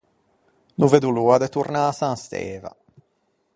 No veddo l'oa de tornâ à San Steva!